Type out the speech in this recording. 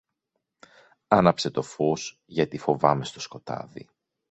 Άναψε το φως, γιατί φοβάμαι στο σκοτάδι.